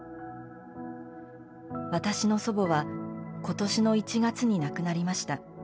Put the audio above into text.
私の祖母は今年の１月に亡くなりました。